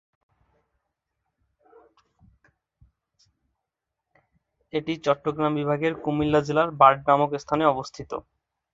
এটি চট্টগ্রাম বিভাগের কুমিল্লা জেলার "বার্ড" নামক স্থানে অবস্থিত।